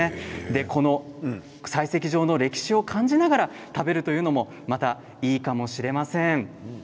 この採石場の歴史を感じながら食べるというのもまたいいかもしれません。